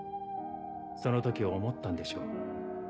その時思ったんでしょう。